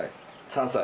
３歳。